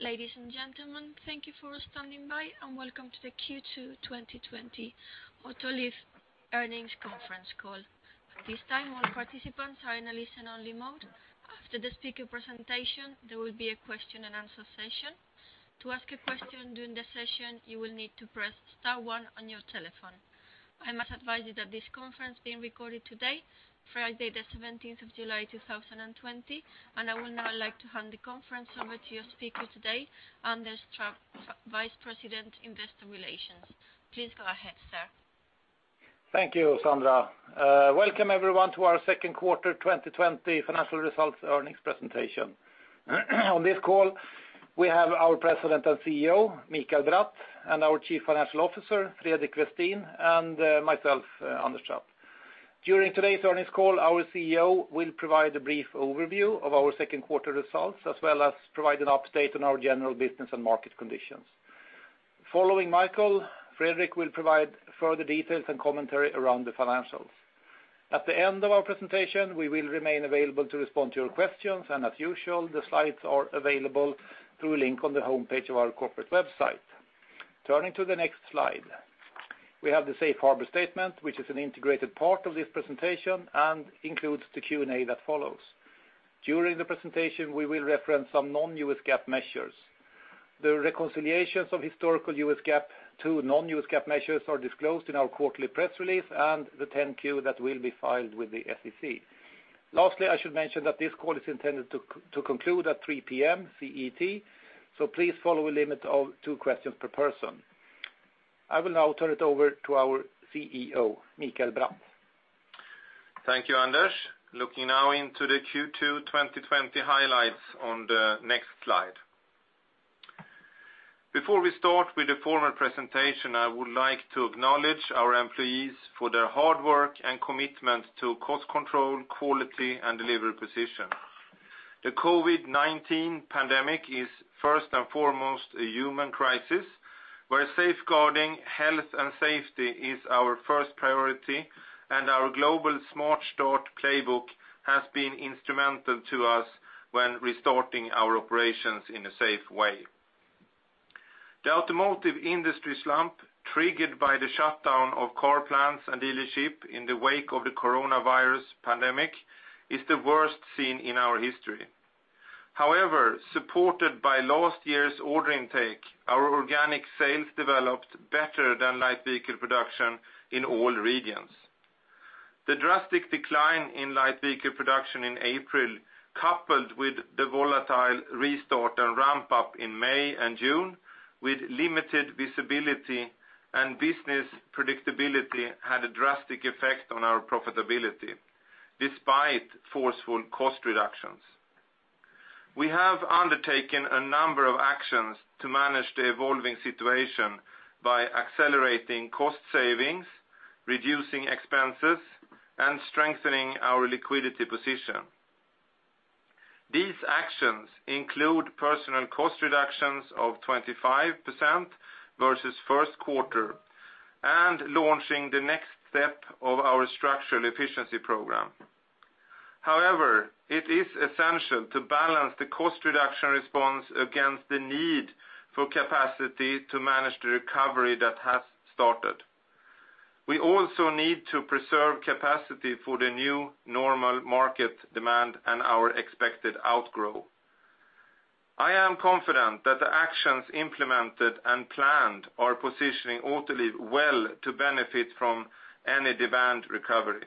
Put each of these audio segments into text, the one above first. Ladies and gentlemen, thank you for standing by. Welcome to the Q2 2020 Autoliv Earnings Conference Call. At this time, all participants are in a listen-only mode. After the speaker presentation, there will be a question and answer session. To ask a question during the session, you will need to press star one on your telephone. I must advise you that this conference is being recorded today, Friday the 17th of July, 2020, and I would now like to hand the conference over to your speaker today, Anders Trapp, Vice President, Investor Relations. Please go ahead, sir. Thank you, Sandra. Welcome everyone to our second quarter 2020 financial results earnings presentation. On this call, we have our President and CEO, Mikael Bratt, and our Chief Financial Officer, Fredrik Westin, and myself, Anders Trapp. During today's earnings call, our CEO will provide a brief overview of our second quarter results as well as provide an update on our general business and market conditions. Following Mikael, Fredrik will provide further details and commentary around the financials. At the end of our presentation, we will remain available to respond to your questions, and as usual, the slides are available through a link on the homepage of our corporate website. Turning to the next slide. We have the safe harbor statement, which is an integrated part of this presentation and includes the Q&A that follows. During the presentation, we will reference some non-U.S. GAAP measures. The reconciliations of historical U.S. GAAP to non-U.S. GAAP measures are disclosed in our quarterly press release and the 10-Q that will be filed with the SEC. Lastly, I should mention that this call is intended to conclude at 3:00 P.M. CET, so please follow a limit of two questions per person. I will now turn it over to our CEO, Mikael Bratt. Thank you, Anders. Looking now into the Q2 2020 highlights on the next slide. Before we start with the formal presentation, I would like to acknowledge our employees for their hard work and commitment to cost control, quality, and delivery position. The COVID-19 pandemic is first and foremost a human crisis, where safeguarding health and safety is our first priority, and our global Smart Start Playbook has been instrumental to us when restarting our operations in a safe way. The automotive industry slump, triggered by the shutdown of car plants and dealership in the wake of the coronavirus pandemic, is the worst seen in our history. However, supported by last year's order intake, our organic sales developed better than light vehicle production in all regions. The drastic decline in light vehicle production in April, coupled with the volatile restart and ramp-up in May and June, with limited visibility and business predictability, had a drastic effect on our profitability despite forceful cost reductions. We have undertaken a number of actions to manage the evolving situation by accelerating cost savings, reducing expenses, and strengthening our liquidity position. These actions include personnel cost reductions of 25% versus first quarter and launching the next step of our structural efficiency program. It is essential to balance the cost reduction response against the need for capacity to manage the recovery that has started. We also need to preserve capacity for the new normal market demand and our expected outgrow. I am confident that the actions implemented and planned are positioning Autoliv well to benefit from any demand recovery.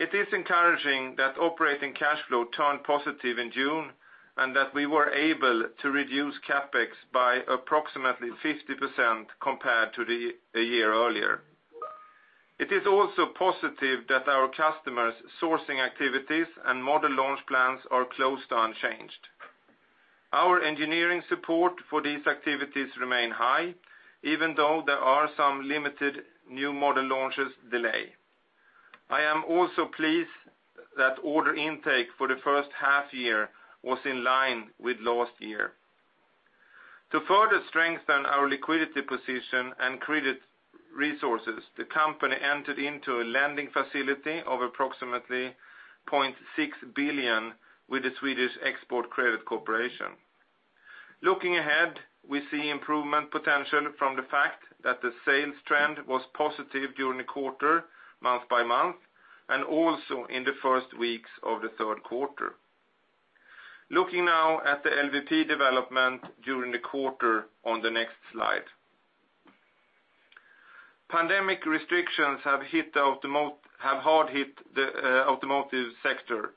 It is encouraging that operating cash flow turned positive in June, and that we were able to reduce CapEx by approximately 50% compared to a year earlier. It is also positive that our customers' sourcing activities and model launch plans are close to unchanged. Our engineering support for these activities remain high, even though there are some limited new model launches delay. I am also pleased that order intake for the first half year was in line with last year. To further strengthen our liquidity position and credit resources, the company entered into a lending facility of approximately $0.6 billion with the Swedish Export Credit Corporation. Looking ahead, we see improvement potential from the fact that the sales trend was positive during the quarter, month by month, and also in the first weeks of the third quarter. Looking now at the LVP development during the quarter on the next slide. Pandemic restrictions have hard hit the automotive sector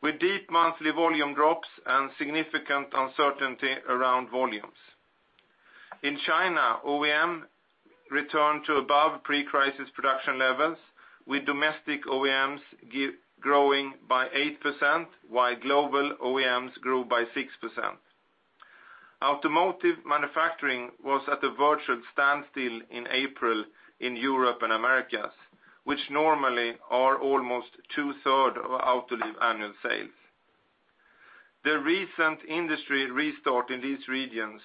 with deep monthly volume drops and significant uncertainty around volumes. In China, OEM returned to above pre-crisis production levels with domestic OEMs growing by 8%, while global OEMs grew by 6%. Automotive manufacturing was at a virtual standstill in April in Europe and Americas, which normally are almost two-thirds of Autoliv annual sales. The recent industry restart in these regions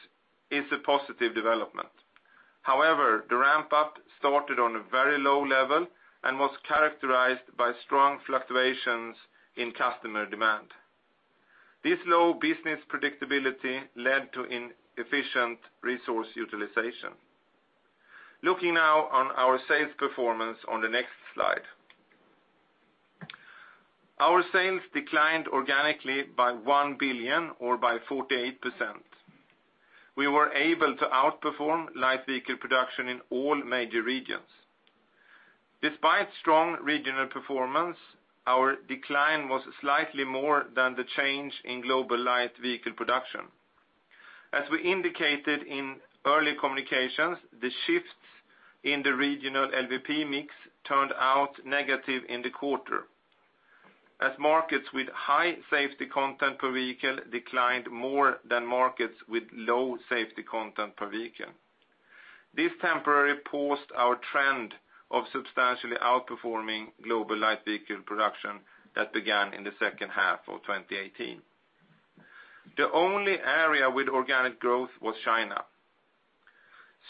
is a positive development. However, the ramp up started on a very low level and was characterized by strong fluctuations in customer demand. This low business predictability led to inefficient resource utilization. Looking now on our sales performance on the next slide. Our sales declined organically by $1 billion or by 48%. We were able to outperform light vehicle production in all major regions. Despite strong regional performance, our decline was slightly more than the change in global light vehicle production. As we indicated in early communications, the shifts in the regional LVP mix turned out negative in the quarter, as markets with high safety content per vehicle declined more than markets with low safety content per vehicle. This temporarily paused our trend of substantially outperforming global light vehicle production that began in the second half of 2018. The only area with organic growth was China.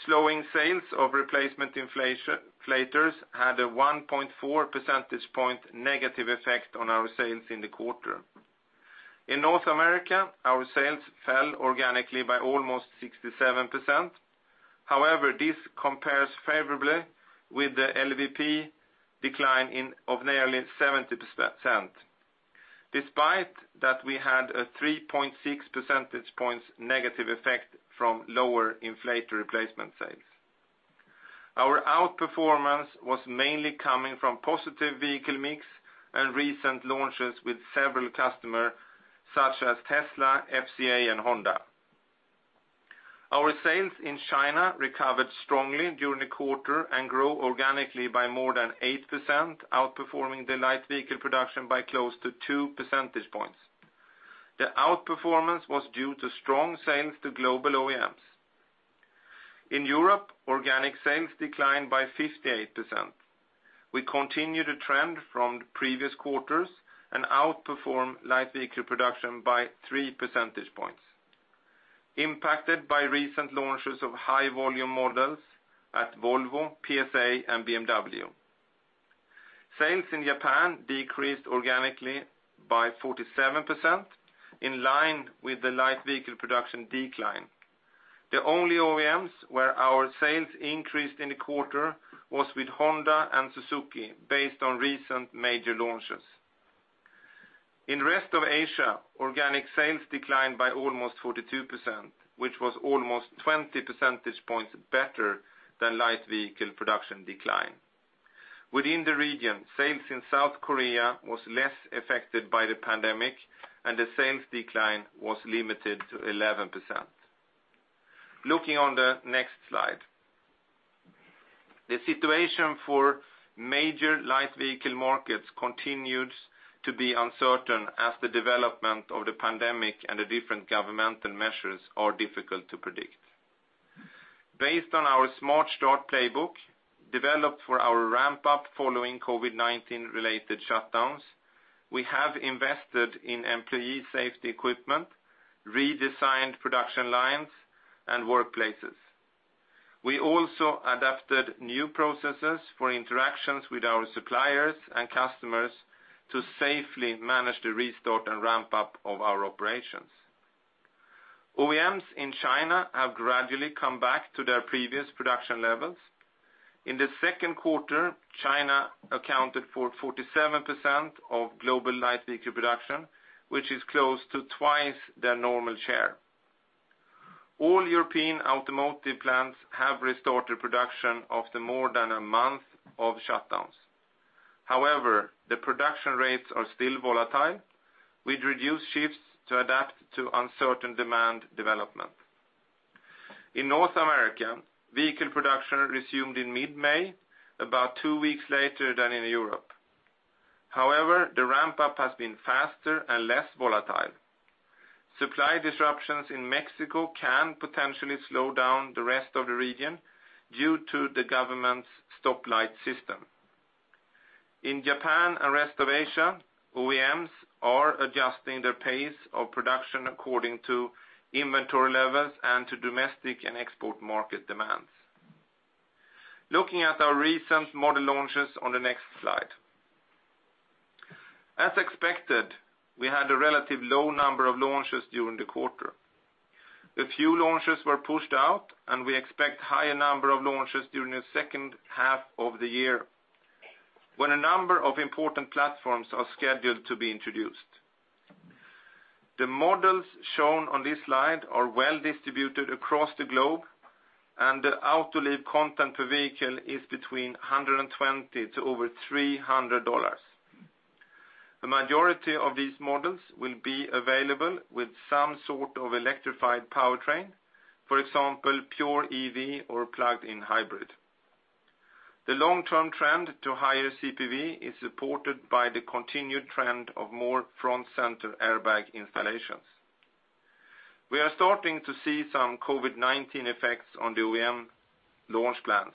Slowing sales of replacement inflators had a 1.4 percentage point negative effect on our sales in the quarter. In North America, our sales fell organically by almost 67%. However, this compares favorably with the LVP decline of nearly 70%, despite that we had a 3.6 percentage points negative effect from lower inflator replacement sales. Our outperformance was mainly coming from positive vehicle mix and recent launches with several customers such as Tesla, FCA, and Honda. Our sales in China recovered strongly during the quarter and grew organically by more than 8%, outperforming the light vehicle production by close to 2 percentage points. The outperformance was due to strong sales to global OEMs. In Europe, organic sales declined by 58%. We continue the trend from previous quarters and outperform light vehicle production by 3 percentage points, impacted by recent launches of high volume models at Volvo, PSA, and BMW. Sales in Japan decreased organically by 47%, in line with the light vehicle production decline. The only OEMs where our sales increased in the quarter was with Honda and Suzuki, based on recent major launches. In rest of Asia, organic sales declined by almost 42%, which was almost 20 percentage points better than light vehicle production decline. Within the region, sales in South Korea was less affected by the pandemic, and the sales decline was limited to 11%. Looking on the next slide. The situation for major light vehicle markets continues to be uncertain as the development of the pandemic and the different governmental measures are difficult to predict. Based on our Smart Start Playbook, developed for our ramp up following COVID-19 related shutdowns, we have invested in employee safety equipment, redesigned production lines, and workplaces. We also adapted new processes for interactions with our suppliers and customers to safely manage the restart and ramp up of our operations. OEMs in China have gradually come back to their previous production levels. In the second quarter, China accounted for 47% of global light vehicle production, which is close to twice their normal share. All European automotive plants have restarted production after more than a month of shutdowns. The production rates are still volatile, with reduced shifts to adapt to uncertain demand development. In North America, vehicle production resumed in mid-May, about two weeks later than in Europe. The ramp-up has been faster and less volatile. Supply disruptions in Mexico can potentially slow down the rest of the region due to the government's stoplight system. In Japan and rest of Asia, OEMs are adjusting their pace of production according to inventory levels and to domestic and export market demands. Looking at our recent model launches on the next slide. As expected, we had a relative low number of launches during the quarter. A few launches were pushed out. We expect higher number of launches during the second half of the year, when a number of important platforms are scheduled to be introduced. The models shown on this slide are well distributed across the globe, and the Autoliv content per vehicle is between $120 to over $300. The majority of these models will be available with some sort of electrified powertrain, for example, pure EV or plugged-in hybrid. The long-term trend to higher CPV is supported by the continued trend of more front center airbag installations. We are starting to see some COVID-19 effects on the OEM launch plans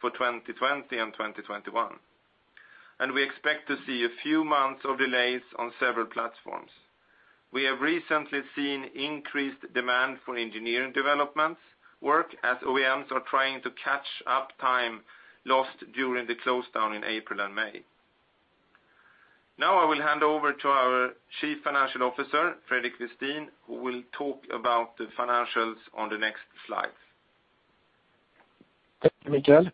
for 2020 and 2021. We expect to see a few months of delays on several platforms. We have recently seen increased demand for engineering developments work as OEMs are trying to catch up time lost during the close down in April and May. Now I will hand over to our Chief Financial Officer, Fredrik Westin, who will talk about the financials on the next slides. Thank you, Mikael.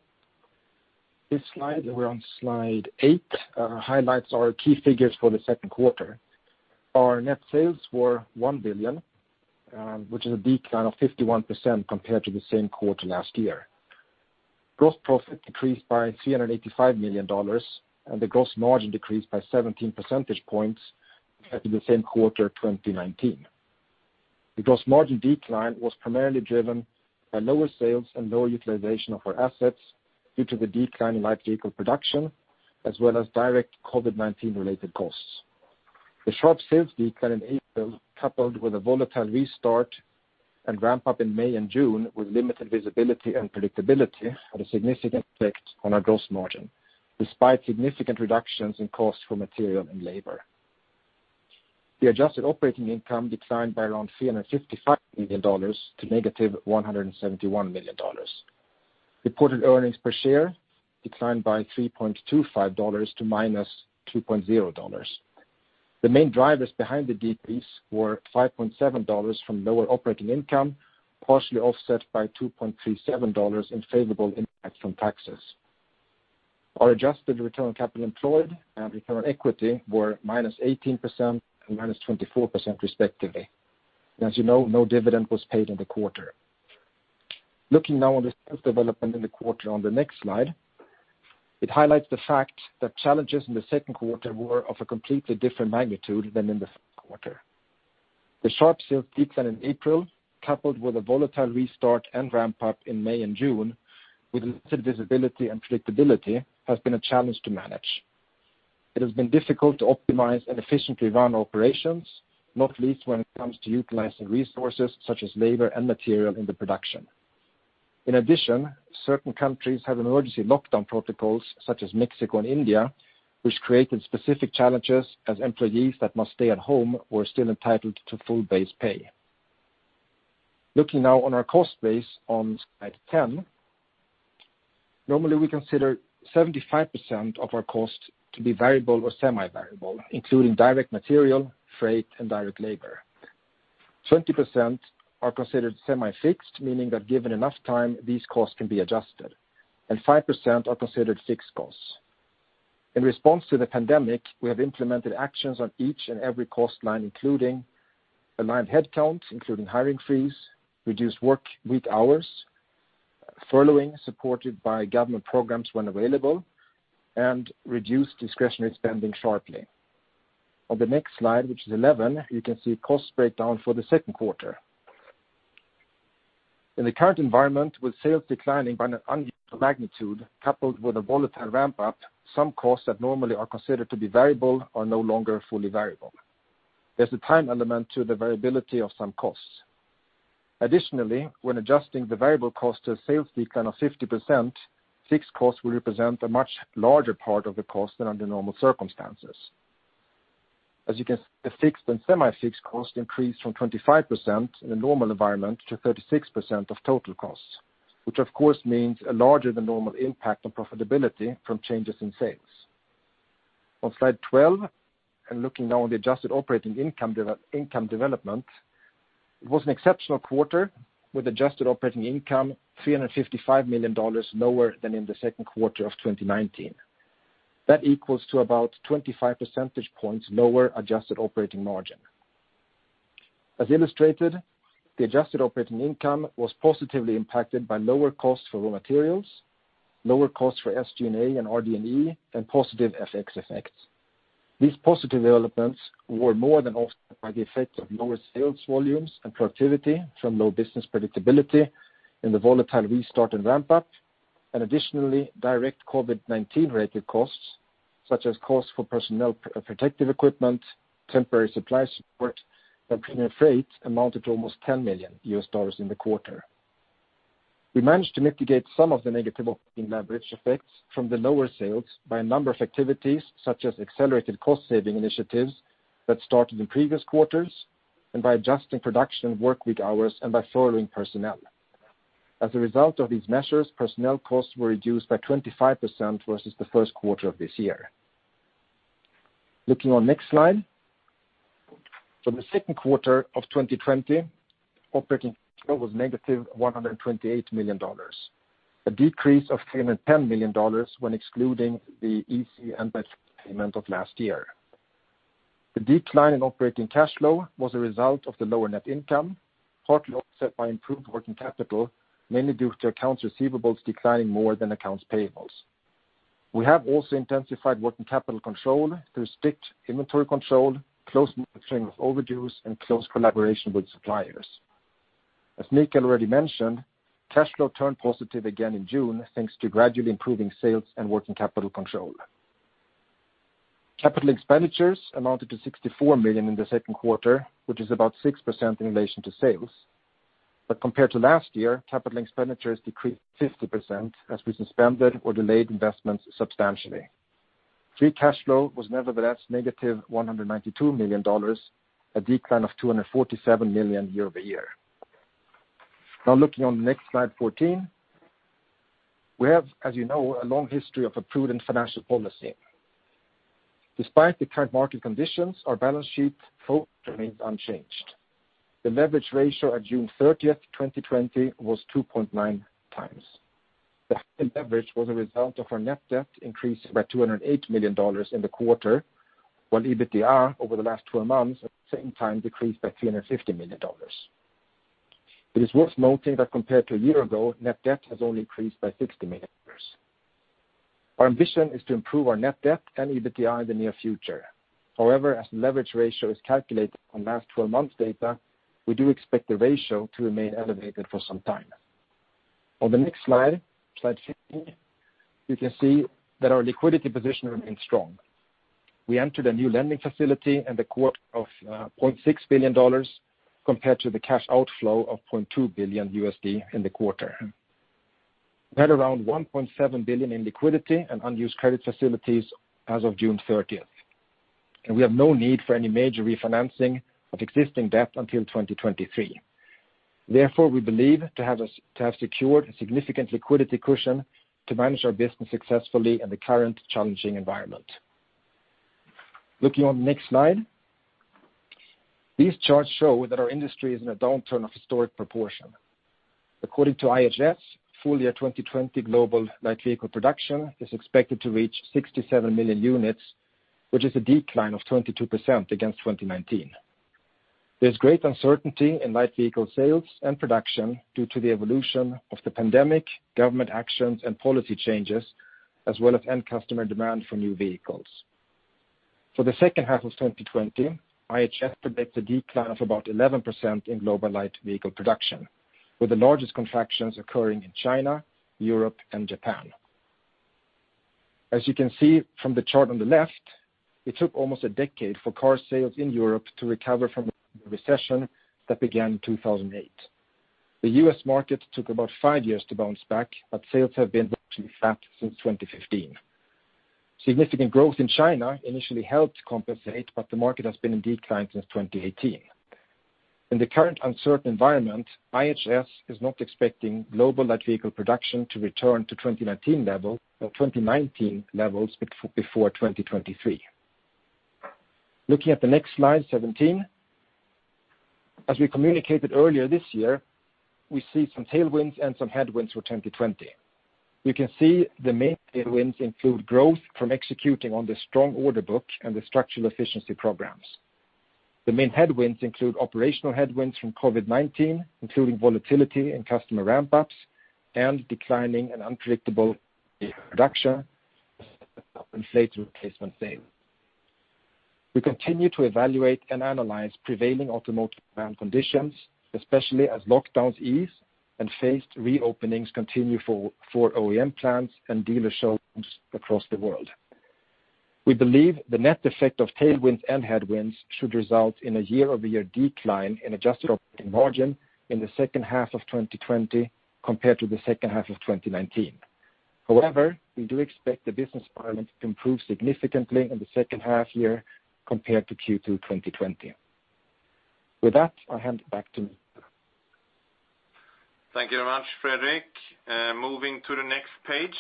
This slide, we're on slide eight, highlights our key figures for the second quarter. Our net sales were $1 billion, which is a decline of 51% compared to the same quarter last year. Gross profit decreased by $385 million, and the gross margin decreased by 17 percentage points compared to the same quarter 2019. The gross margin decline was primarily driven by lower sales and lower utilization of our assets due to the decline in light vehicle production, as well as direct COVID-19 related costs. The sharp sales decline in April, coupled with a volatile restart and ramp-up in May and June, with limited visibility and predictability, had a significant effect on our gross margin, despite significant reductions in costs for material and labor. The adjusted operating income declined by around $355 million to -$171 million. Reported earnings per share declined by $3.25 to -$2.00. The main drivers behind the decrease were $5.70 from lower operating income, partially offset by $2.37 in favorable impact from taxes. Our adjusted return on capital employed and return on equity were -18% and -24%, respectively. As you know, no dividend was paid in the quarter. Looking now on the sales development in the quarter on the next slide, it highlights the fact that challenges in the second quarter were of a completely different magnitude than in the first quarter. The sharp sales decline in April, coupled with a volatile restart and ramp-up in May and June, with limited visibility and predictability, has been a challenge to manage. It has been difficult to optimize and efficiently run operations, not least when it comes to utilizing resources such as labor and material in the production. In addition, certain countries have emergency lockdown protocols, such as Mexico and India, which created specific challenges as employees that must stay at home were still entitled to full base pay. Looking now on our cost base on slide 10. Normally, we consider 75% of our cost to be variable or semi-variable, including direct material, freight, and direct labor. 20% are considered semi-fixed, meaning that given enough time, these costs can be adjusted. 5% are considered fixed costs. In response to the pandemic, we have implemented actions on each and every cost line, including aligned headcount, including hiring freeze, reduced work week hours, furloughing supported by government programs when available, and reduced discretionary spending sharply. On the next slide, which is 11, you can see cost breakdown for the second quarter. In the current environment, with sales declining by an unusual magnitude, coupled with a volatile ramp-up, some costs that normally are considered to be variable are no longer fully variable. There's a time element to the variability of some costs. Additionally, when adjusting the variable cost to a sales decline of 50%, fixed costs will represent a much larger part of the cost than under normal circumstances. As you can see, the fixed and semi-fixed cost increased from 25% in a normal environment to 36% of total costs, which of course means a larger than normal impact on profitability from changes in sales. On slide 12, looking now on the adjusted operating income development, it was an exceptional quarter, with adjusted operating income $355 million lower than in the second quarter of 2019. That equals to about 25 percentage points lower adjusted operating margin. As illustrated, the adjusted operating income was positively impacted by lower costs for raw materials, lower costs for SG&A and RD&E, and positive FX effects. These positive developments were more than offset by the effect of lower sales volumes and productivity from low business predictability in the volatile restart and ramp-up, and additionally, direct COVID-19 related costs, such as costs for personnal protective equipment, temporary supply support, and premium freight amounted to almost $10 million in the quarter. We managed to mitigate some of the negative operating leverage effects from the lower sales by a number of activities, such as accelerated cost-saving initiatives that started in previous quarters, and by adjusting production work week hours, and by furloughing personnel. As a result of these measures, personnel costs were reduced by 25% versus the first quarter of this year. Looking on next slide. For the second quarter of 2020, operating cash flow was -$128 million, a decrease of $310 million when excluding the EC investment payment of last year. The decline in operating cash flow was a result of the lower net income, partly offset by improved working capital, mainly due to accounts receivables declining more than accounts payables. We have also intensified working capital control through strict inventory control, close monitoring of overdues, and close collaboration with suppliers. As Mikael already mentioned, cash flow turned positive again in June, thanks to gradually improving sales and working capital control. Capital expenditures amounted to $64 million in the second quarter, which is about 6% in relation to sales. Compared to last year, capital expenditures decreased 50% as we suspended or delayed investments substantially. Free cash flow was nevertheless negative $192 million, a decline of $247 million year-over-year. Looking on next slide 14. We have, as you know, a long history of a prudent financial policy. Despite the current market conditions, our balance sheet flow remains unchanged. The leverage ratio on June 30th, 2020 was 2.9 times. The high leverage was a result of our net debt increasing by $208 million in the quarter, while EBITDA over the last 12 months at the same time decreased by $350 million. It is worth noting that compared to a year ago, net debt has only increased by $60 million. Our ambition is to improve our net debt and EBITDA in the near future. As leverage ratio is calculated on last 12 months data, we do expect the ratio to remain elevated for some time. On the next slide 15, you can see that our liquidity position remains strong. We entered a new lending facility in the quarter of $0.6 billion, compared to the cash outflow of $0.2 billion USD in the quarter. We had around $1.7 billion in liquidity and unused credit facilities as of June 30th. We have no need for any major refinancing of existing debt until 2023. Therefore, we believe to have secured a significant liquidity cushion to manage our business successfully in the current challenging environment. Looking on the next slide. These charts show that our industry is in a downturn of historic proportion. According to IHS, full year 2020 global light vehicle production is expected to reach 67 million units, which is a decline of 22% against 2019. There is great uncertainty in light vehicle sales and production due to the evolution of the pandemic, government actions and policy changes, as well as end customer demand for new vehicles. For the second half of 2020, IHS predicts a decline of about 11% in global light vehicle production, with the largest contractions occurring in China, Europe and Japan. As you can see from the chart on the left, it took almost a decade for car sales in Europe to recover from the recession that began 2008. The U.S. market took about five years to bounce back, but sales have been virtually flat since 2015. Significant growth in China initially helped compensate, but the market has been in decline since 2018. In the current uncertain environment, IHS is not expecting global light vehicle production to return to 2019 levels before 2023. Looking at the next slide, 17. As we communicated earlier this year, we see some tailwinds and some headwinds for 2020. You can see the main tailwinds include growth from executing on the strong order book and the structural efficiency programs. The main headwinds include operational headwinds from COVID-19, including volatility in customer ramp-ups, and declining and unpredictable vehicle production, as well as delayed replacement sales. We continue to evaluate and analyze prevailing automotive demand conditions, especially as lockdowns ease and phased reopenings continue for OEM plants and dealer showrooms across the world. We believe the net effect of tailwinds and headwinds should result in a year-over-year decline in adjusted operating margin in the second half of 2020 compared to the second half of 2019. We do expect the business environment to improve significantly in the second half year compared to Q2 2020. With that, I'll hand it back to Mikael. Thank you very much, Fredrik. Moving to the next page.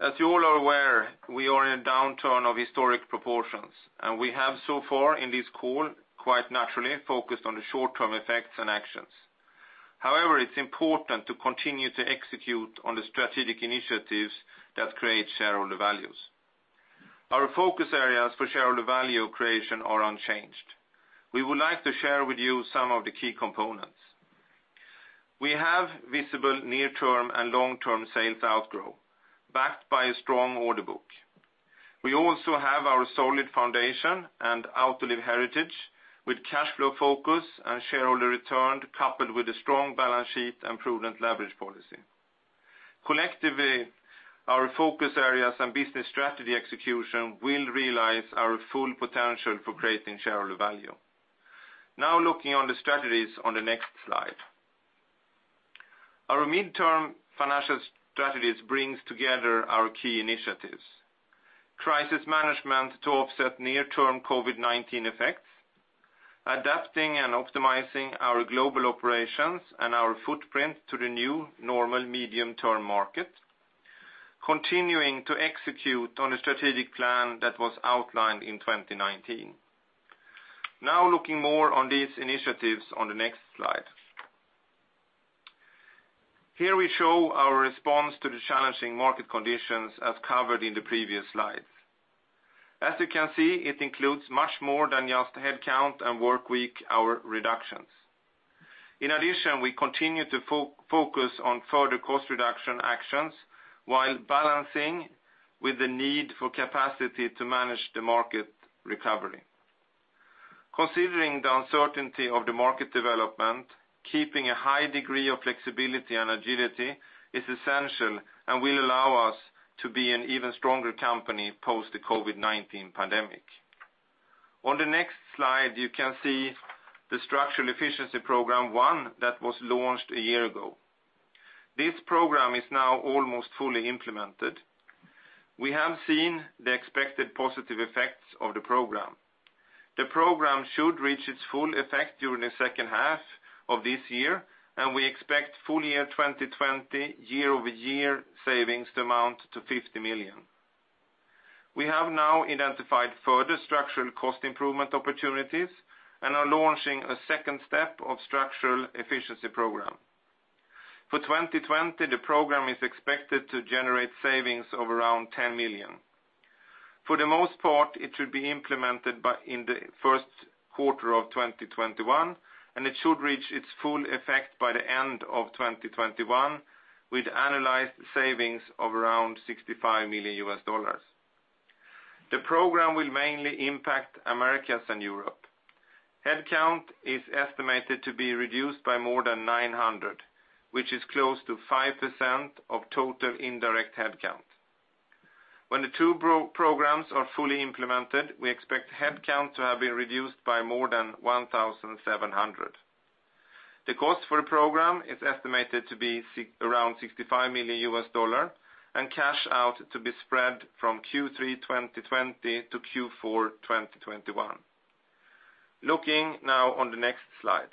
As you all are aware, we are in a downturn of historic proportions, and we have so far in this call, quite naturally, focused on the short-term effects and actions. However, it's important to continue to execute on the strategic initiatives that create shareholder values. Our focus areas for shareholder value creation are unchanged. We would like to share with you some of the key components. We have visible near term and long term sales outgrow, backed by a strong order book. We also have our solid foundation and Autoliv heritage with cash flow focus and shareholder return, coupled with a strong balance sheet and prudent leverage policy. Collectively, our focus areas and business strategy execution will realize our full potential for creating shareholder value. Now looking on the strategies on the next slide. Our midterm financial strategies bring together our key initiatives. Crisis management to offset near-term COVID-19 effects. Adapting and optimizing our global operations and our footprint to the new normal medium-term market. Continuing to execute on a strategic plan that was outlined in 2019. Looking more on these initiatives on the next slide. Here we show our response to the challenging market conditions as covered in the previous slides. As you can see, it includes much more than just headcount and work week hour reductions. In addition, we continue to focus on further cost reduction actions while balancing with the need for capacity to manage the market recovery. Considering the uncertainty of the market development, keeping a high degree of flexibility and agility is essential and will allow us to be an even stronger company post the COVID-19 pandemic. On the next slide, you can see the Structural Efficiency Program One that was launched a year ago. This program is now almost fully implemented. We have seen the expected positive effects of the program. The program should reach its full effect during the second half of this year, and we expect full year 2020 year-over-year savings to amount to $50 million. We have now identified further structural cost improvement opportunities and are launching a second step of Structural Efficiency Program. For 2020, the program is expected to generate savings of around $10 million. For the most part, it should be implemented in the first quarter of 2021, and it should reach its full effect by the end of 2021, with analyzed savings of around $65 million. The program will mainly impact Americas and Europe. Headcount is estimated to be reduced by more than 900, which is close to 5% of total indirect headcount. When the two programs are fully implemented, we expect headcount to have been reduced by more than 1,700. The cost for the program is estimated to be around $65 million and cash out to be spread from Q3 2020 to Q4 2021. Looking now on the next slide.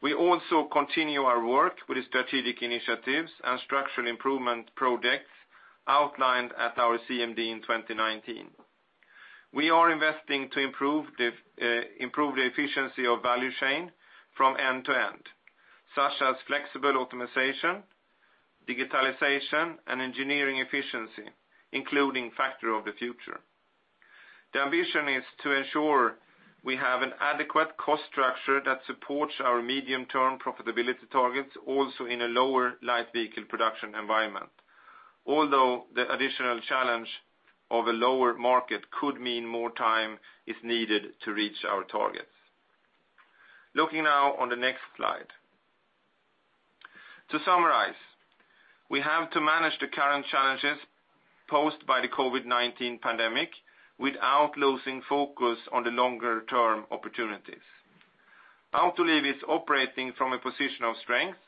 We also continue our work with the strategic initiatives and structural improvement projects outlined at our CMD in 2019. We are investing to improve the efficiency of value chain from end to end, such as flexible optimization, digitalization, and engineering efficiency, including Factory of the Future. The ambition is to ensure we have an adequate cost structure that supports our medium-term profitability targets also in a lower light vehicle production environment. Although the additional challenge of a lower market could mean more time is needed to reach our targets. Looking now on the next slide. To summarize, we have to manage the current challenges posed by the COVID-19 pandemic without losing focus on the longer term opportunities. Autoliv is operating from a position of strength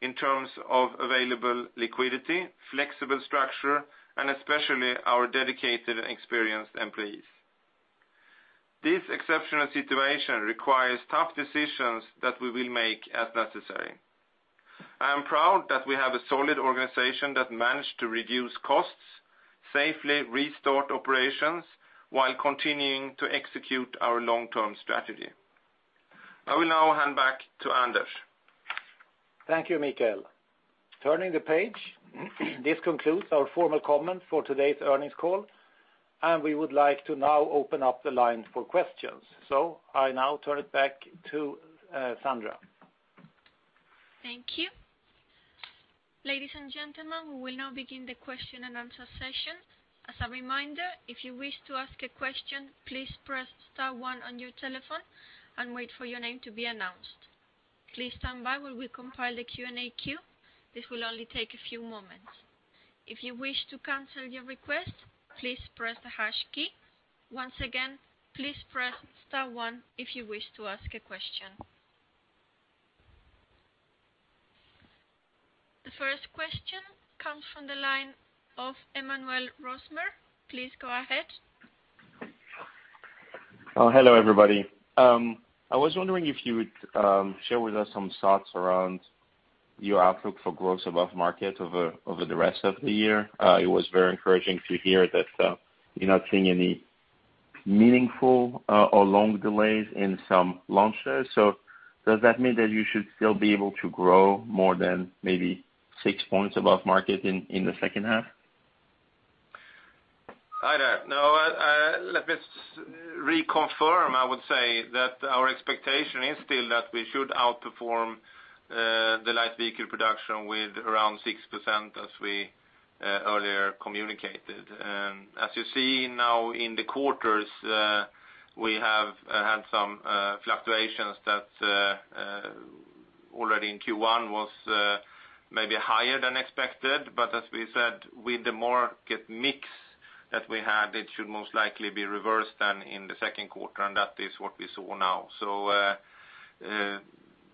in terms of available liquidity, flexible structure, and especially our dedicated and experienced employees. This exceptional situation requires tough decisions that we will make as necessary. I am proud that we have a solid organization that managed to reduce costs, safely restart operations while continuing to execute our long-term strategy. I will now hand back to Anders. Thank you, Mikael. Turning the page, this concludes our formal comment for today's earnings call, and we would like to now open up the line for questions. I now turn it back to Sandra. Thank you. Ladies and gentlemen, we will now begin the question and answer session. As a reminder, if you wish to ask a question, please press star one on your telephone and wait for your name to be announced. Please stand by while we compile the Q&A queue. This will only take a few moments. If you wish to cancel your request, please press the hash key. Once again, please press star one if you wish to ask a question. The first question comes from the line of Emmanuel Rosner. Please go ahead. Hello, everybody. I was wondering if you would share with us some thoughts around your outlook for growth above market over the rest of the year. It was very encouraging to hear that you're not seeing any meaningful or long delays in some launches. Does that mean that you should still be able to grow more than maybe six points above market in the second half? I don't know. Let me reconfirm. I would say that our expectation is still that we should outperform the light vehicle production with around 6% as we earlier communicated. As you see now in the quarters, we have had some fluctuations that already in Q1 was maybe higher than expected. As we said, with the market mix that we had, it should most likely be reversed than in the second quarter, and that is what we saw now.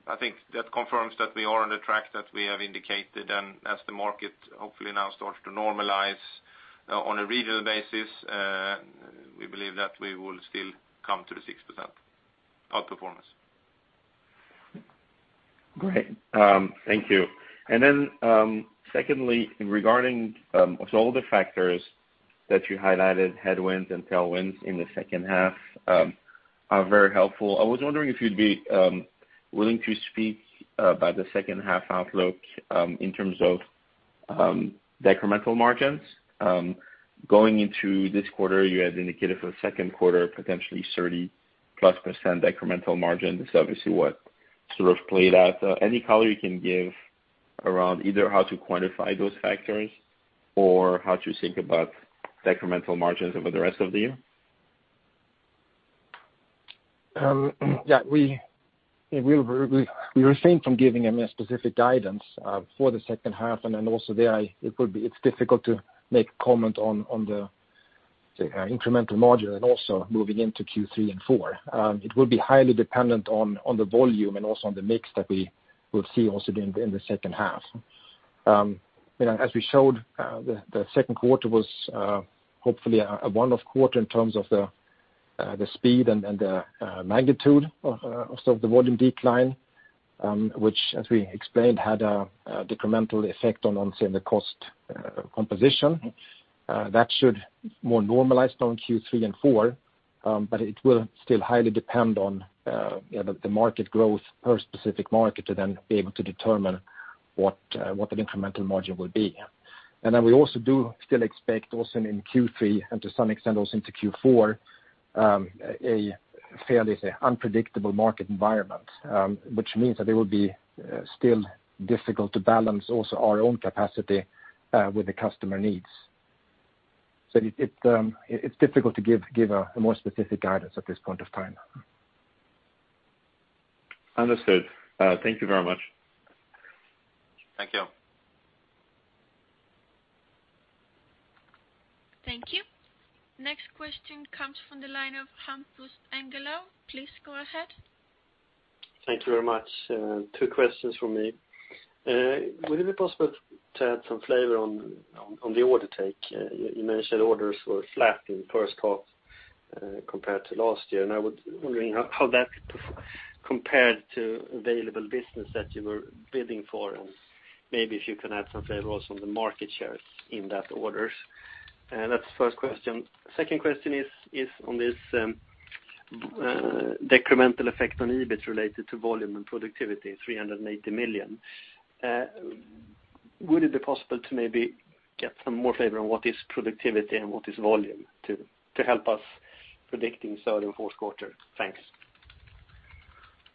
I think that confirms that we are on the track that we have indicated, and as the market hopefully now starts to normalize on a regional basis, we believe that we will still come to the 6% outperformance. Great. Thank you. Then secondly, regarding all the factors that you highlighted, headwinds and tailwinds in the second half are very helpful. I was wondering if you'd be willing to speak about the second half outlook in terms of decremental margins. Going into this quarter, you had indicated for the second quarter, potentially 30-plus % decremental margin. That's obviously what sort of played out. Any color you can give around either how to quantify those factors or how to think about incremental margins over the rest of the year? We refrain from giving a specific guidance for the second half. Also there, it's difficult to make comment on the incremental margin and also moving into Q3 and Q4. It will be highly dependent on the volume and also on the mix that we will see also during the second half. As we showed, the second quarter was hopefully a one-off quarter in terms of the speed and the magnitude of some of the volume decline, which as we explained, had a decremental effect on, say, the cost composition. That should more normalize on Q3 and Q4. It will still highly depend on the market growth per specific market to then be able to determine what that incremental margin will be. We also do still expect also in Q3 and to some extent also into Q4, a fairly unpredictable market environment, which means that it will be still difficult to balance also our own capacity with the customer needs. It's difficult to give a more specific guidance at this point of time. Understood. Thank you very much. Thank you. Thank you. Next question comes from the line of Hampus Engellau. Please go ahead. Thank you very much. Two questions from me. Would it be possible to add some flavor on the order take? You mentioned orders were flat in the first half compared to last year. I was wondering how that compared to available business that you were bidding for, maybe if you can add some flavor also on the market shares in that orders. That's the first question. Second question is on this decremental effect on EBIT related to volume and productivity, $380 million. Would it be possible to maybe get some more flavor on what is productivity and what is volume to help us predicting third and fourth quarter? Thanks.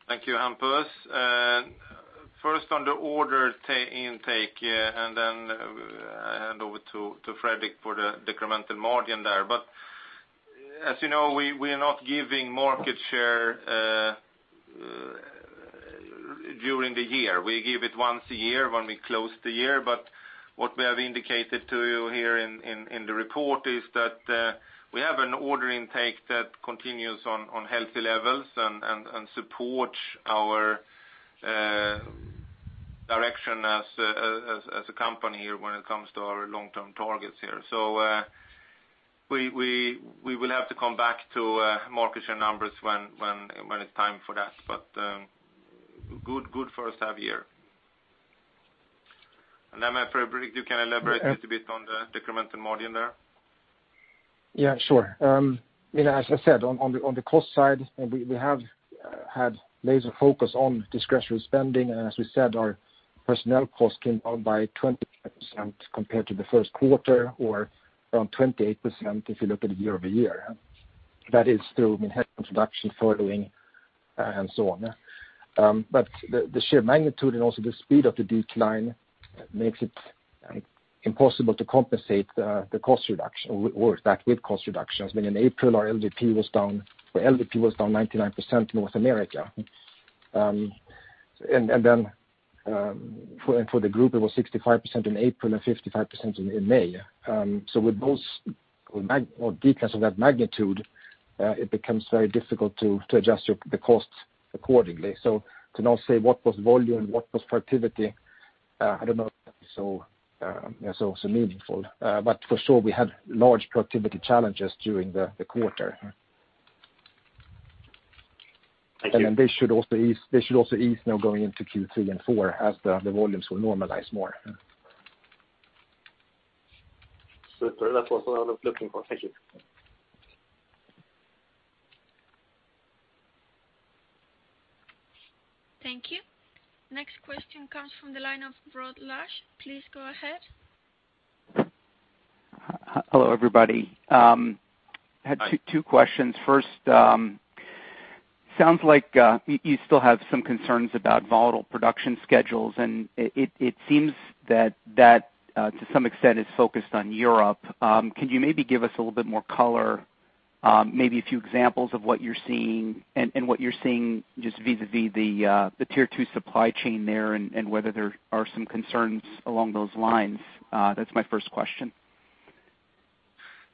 Thank you, Hampus. First on the order intake, then I hand over to Fredrik for the decremental margin there. As you know, we are not giving market share during the year. We give it once a year when we close the year, what we have indicated to you here in the report is that we have an order intake that continues on healthy levels and supports our direction as a company here when it comes to our long-term targets here. We will have to come back to market share numbers when it's time for that. Good first half year. Fredrik, you can elaborate a little bit on the decremental margin there. Yeah, sure. As I said, on the cost side, we have had laser focus on discretionary spending, and as we said, our personnel cost came down by 25% compared to the first quarter or around 28% if you look at it year-over-year. That is through headcount reduction, furloughing, and so on. The sheer magnitude and also the speed of the decline makes it impossible to compensate with cost reductions. In April, our LVP was down 99% in North America. For the group, it was 65% in April and 55% in May. With declines of that magnitude, it becomes very difficult to adjust the costs accordingly. To now say, what was volume, what was productivity? I don't know if that is so meaningful. For sure, we had large productivity challenges during the quarter. Thank you. They should also ease now going into Q3 and Q4 as the volumes will normalize more. Super. That was what I was looking for. Thank you. Thank you. Next question comes from the line of Rod Lache. Please go ahead. Hello, everybody. I had two questions. First, sounds like you still have some concerns about volatile production schedules, and it seems that that, to some extent, is focused on Europe. Can you maybe give us a little bit more color, maybe a few examples of what you're seeing and what you're seeing just vis-a-vis the Tier 2 supply chain there and whether there are some concerns along those lines? That's my first question.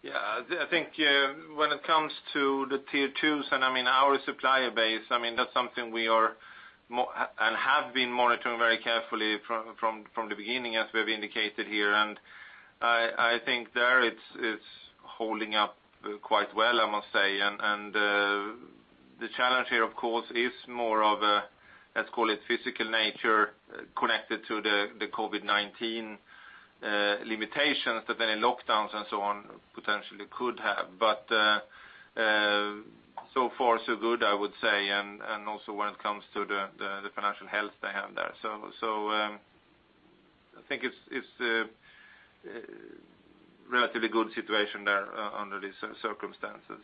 Yeah, I think when it comes to the Tier 2s and our supplier base, that's something we are and have been monitoring very carefully from the beginning, as we have indicated here. I think there it's holding up quite well, I must say. The challenge here, of course, is more of a, let's call it physical nature connected to the COVID-19 limitations that any lockdowns and so on potentially could have. So far so good, I would say, and also when it comes to the financial health they have there. I think it's a relatively good situation there under these circumstances.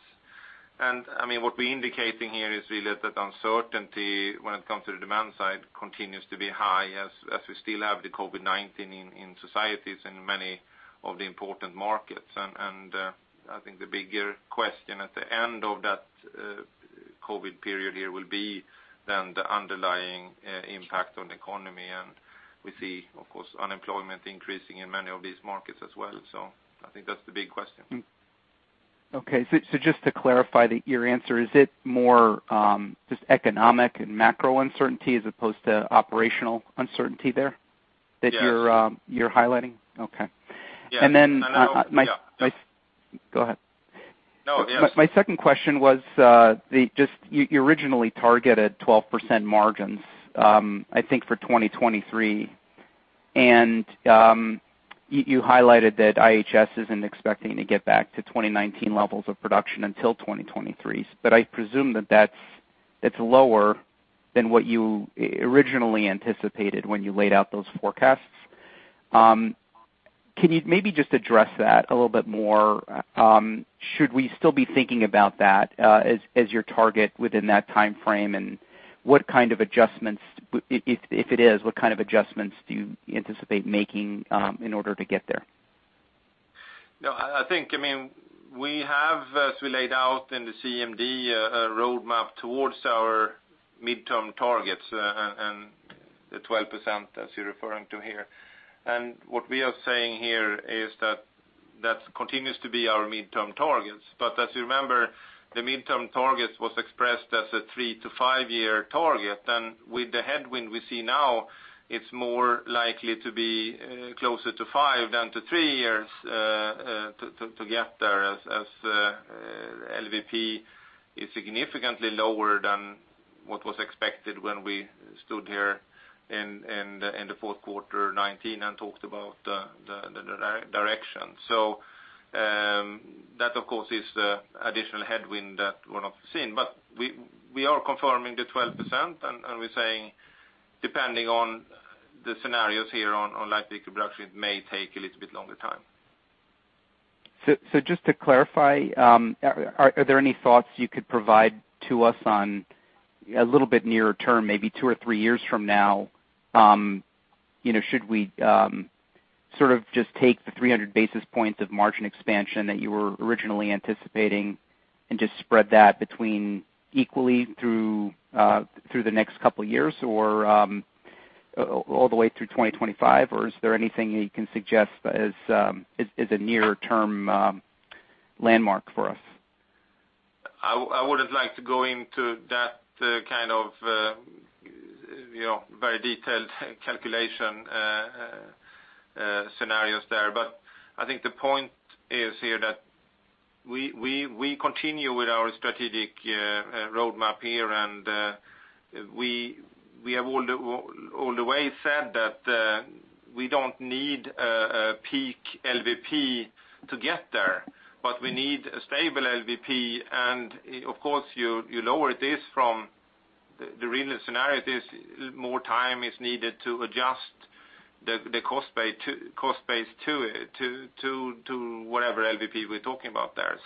What we're indicating here is really that uncertainty when it comes to the demand side continues to be high as we still have the COVID-19 in societies in many of the important markets. I think the bigger question at the end of that COVID period here will be then the underlying impact on the economy, and we see, of course, unemployment increasing in many of these markets as well. I think that's the big question. Okay. Just to clarify your answer, is it more just economic and macro uncertainty as opposed to operational uncertainty there? Yes that you're highlighting? Okay. Yeah. And then my- No. Yeah. Go ahead. No. Yes. My second question was, you originally targeted 12% margins, I think for 2023. You highlighted that IHS isn't expecting to get back to 2019 levels of production until 2023. I presume that that's lower than what you originally anticipated when you laid out those forecasts. Can you maybe just address that a little bit more? Should we still be thinking about that as your target within that timeframe? What kind of adjustments, if it is, what kind of adjustments do you anticipate making in order to get there? I think, we have, as we laid out in the CMD, a road map towards our midterm targets and the 12%, as you're referring to here. What we are saying here is that that continues to be our midterm targets. As you remember, the midterm targets was expressed as a three- to five-year target. With the headwind we see now, it's more likely to be closer to five than to three years to get there, as LVP is significantly lower than what was expected when we stood here in the fourth quarter 2019 and talked about the direction. That of course is additional headwind that we're now seeing. We are confirming the 12%, and we're saying, depending on the scenarios here on likely production, it may take a little bit longer time. Just to clarify, are there any thoughts you could provide to us on a little bit nearer term, maybe two or three years from now? Should we sort of just take the 300 basis points of margin expansion that you were originally anticipating and just spread that between equally through the next couple of years or all the way through 2025? Or is there anything you can suggest as a near-term landmark for us? I wouldn't like to go into that kind of very detailed calculation scenarios there. I think the point is here that we continue with our strategic road map here, and we have all the way said that we don't need a peak LVP to get there, but we need a stable LVP. Of course, you lower this from the real scenario. More time is needed to adjust the cost base to whatever LVP we're talking about there.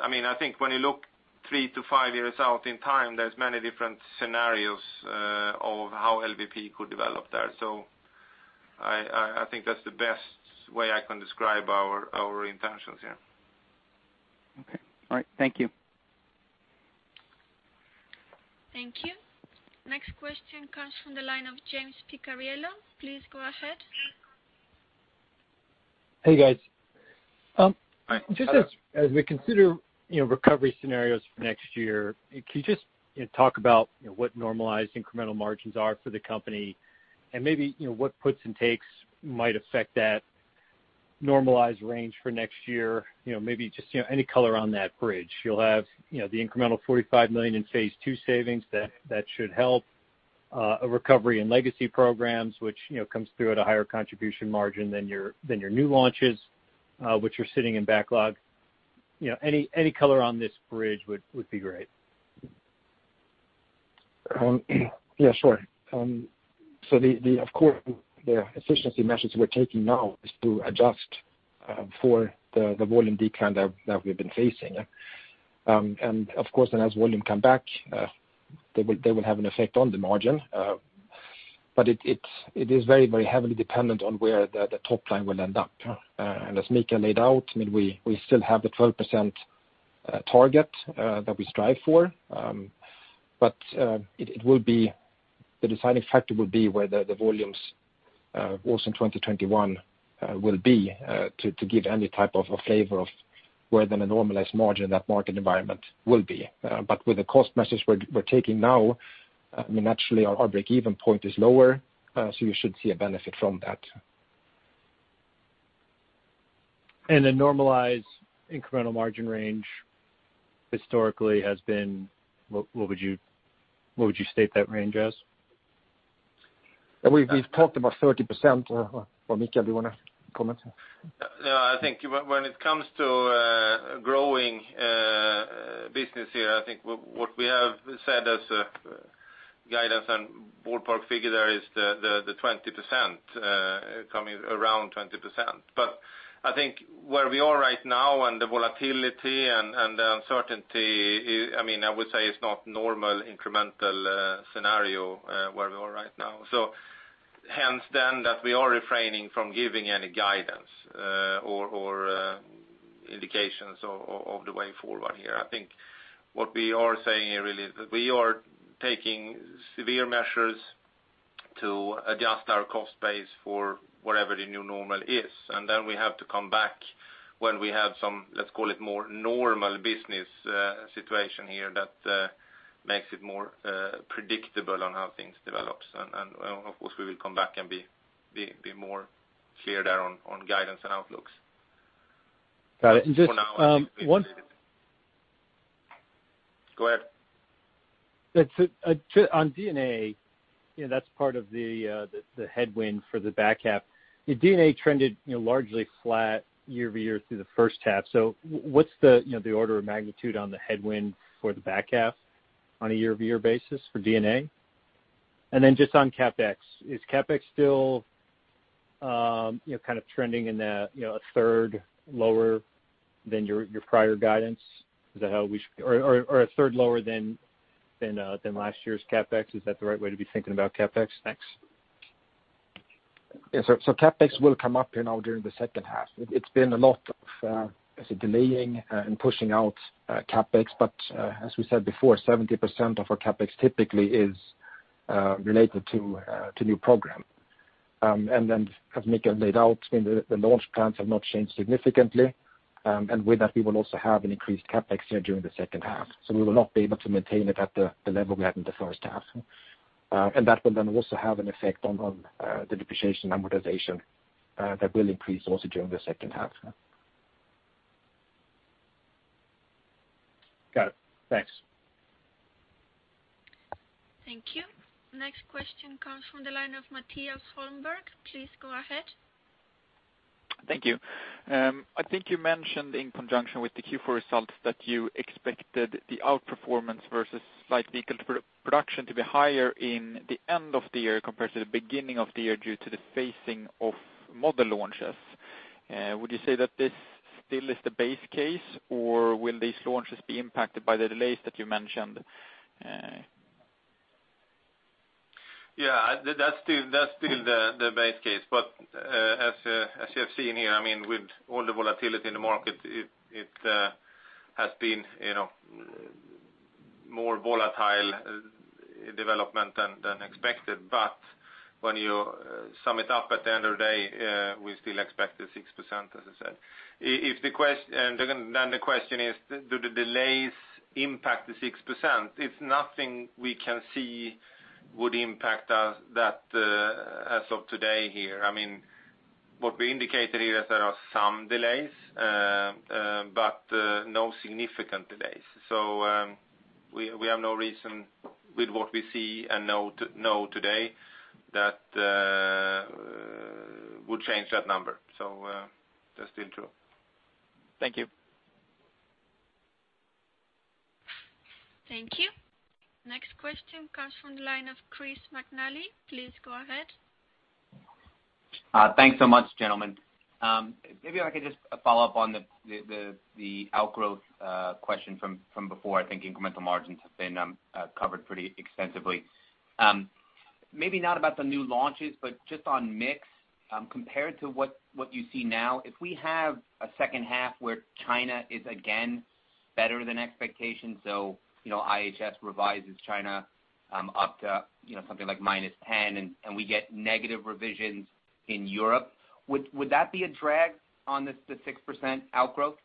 I think when you look three to five years out in time, there's many different scenarios of how LVP could develop there. I think that's the best way I can describe our intentions here. Okay. All right. Thank you. Thank you. Next question comes from the line of James Picariello. Please go ahead. Hey, guys. Hi. Just as we consider recovery scenarios for next year, can you just talk about what normalized incremental margins are for the company and maybe what puts and takes might affect that normalized range for next year? Maybe just any color on that bridge. You'll have the incremental $45 million in phase two savings that should help a recovery in legacy programs, which comes through at a higher contribution margin than your new launches, which are sitting in backlog. Any color on this bridge would be great. Yeah, sure. Of course, the efficiency measures we're taking now is to adjust for the volume decline that we've been facing. Of course, then as volume come back, they will have an effect on the margin. It is very heavily dependent on where the top line will end up. As Mika laid out, we still have the 12% target that we strive for. The deciding factor will be where the volumes also in 2021 will be, to give any type of a favor of where the normalized margin in that market environment will be. With the cost measures we're taking now, naturally, our break-even point is lower, so you should see a benefit from that. The normalized incremental margin range historically has been, what would you state that range as? We've talked about 30%. Mika, do you want to comment? I think when it comes to growing business here, I think what we have said as a guidance and ballpark figure there is the 20%, coming around 20%. I think where we are right now and the volatility and the uncertainty, I would say it's not normal incremental scenario where we are right now. Hence then that we are refraining from giving any guidance or indications of the way forward here. I think what we are saying here really is that we are taking severe measures to adjust our cost base for whatever the new normal is, and then we have to come back when we have some, let's call it more normal business situation here that makes it more predictable on how things develops. Of course, we will come back and be more clear there on guidance and outlooks. Got it. For now, I think. Just one-- Go ahead. D&A, that's part of the headwind for the back half. D&A trended largely flat year-over-year through the first half. What's the order of magnitude on the headwind for the back half on a year-over-year basis for D&A? Just on CapEx. Is CapEx still trending in a third lower than your prior guidance? Is that how we should? Is it a third lower than last year's CapEx? Is that the right way to be thinking about CapEx? Thanks. Yeah. CapEx will come up here now during the second half. It's been a lot of, I say delaying and pushing out CapEx. As we said before, 70% of our CapEx typically is related to new program. As Mikael laid out, the launch plans have not changed significantly. With that, we will also have an increased CapEx here during the second half. We will not be able to maintain it at the level we had in the first half. That will then also have an effect on the depreciation amortization that will increase also during the second half. Got it. Thanks. Thank you. Next question comes from the line of Mattias Holmberg. Please go ahead. Thank you. I think you mentioned in conjunction with the Q4 results that you expected the outperformance versus Light Vehicle Production to be higher in the end of the year compared to the beginning of the year, due to the phasing of model launches. Would you say that this still is the base case or will these launches be impacted by the delays that you mentioned? That's still the base case. As you have seen here, with all the volatility in the market, it has been more volatile development than expected. When you sum it up at the end of the day, we still expect the 6%, as I said. The question is, do the delays impact the 6%? It's nothing we can see would impact us that as of today here. What we indicated here is there are some delays, but no significant delays. We have no reason with what we see and know today that would change that number. That's still true. Thank you. Thank you. Next question comes from the line of Chris McNally. Please go ahead. Thanks so much, gentlemen. Maybe I could just follow up on the outgrowth question from before. I think incremental margins have been covered pretty extensively. Maybe not about the new launches, but just on mix, compared to what you see now, if we have a second half where China is again better than expectations, so IHS revises China up to something like -10% and we get negative revisions in Europe, would that be a drag on the 6% outgrowth?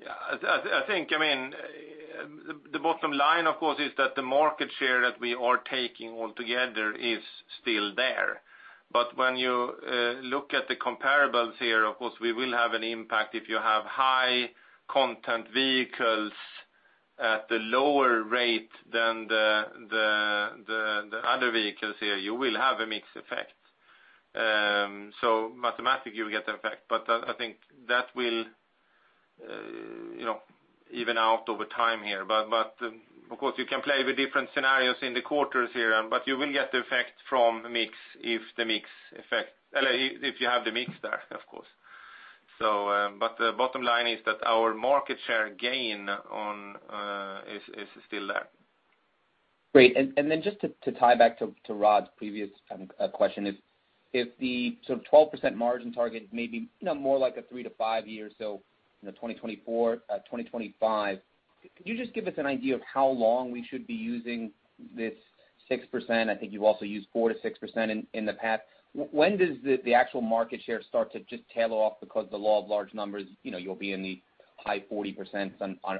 Yeah. I think the bottom line, of course, is that the market share that we are taking altogether is still there. When you look at the comparables here, of course, we will have an impact if you have high content vehicles at the lower rate than the other vehicles here, you will have a mix effect. Mathematically, you will get the effect, but I think that will even out over time here. Of course, you can play with different scenarios in the quarters here, but you will get the effect from mix if you have the mix there, of course. The bottom line is that our market share gain is still there. Great. Just to tie back to Rod's previous question is, if the sort of 12% margin target may be more like a three to five years, so 2024, 2025, could you just give us an idea of how long we should be using this 6%? I think you've also used 4 to 6% in the past. When does the actual market share start to just tail off because the law of large numbers, you'll be in the high 40%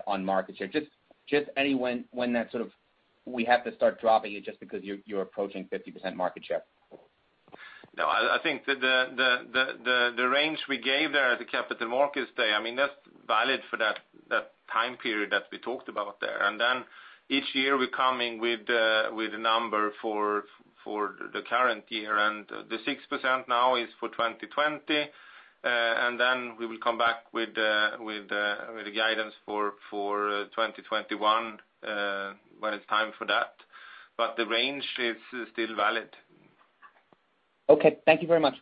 on market share? Just any when that sort of, we have to start dropping it just because you're approaching 50% market share? No, I think the range we gave there at the Capital Markets Day, that's valid for that time period that we talked about there. Each year, we're coming with a number for the current year, and the 6% now is for 2020. We will come back with the guidance for 2021, when it's time for that. The range is still valid. Okay. Thank you very much.